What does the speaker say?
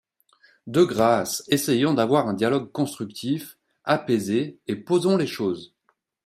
De grâce, essayons d’avoir un dialogue constructif, apaisé, et posons les choses.